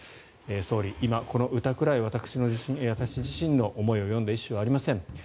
総理、今、この歌くらい私自身の思いを詠んだ一首はありません。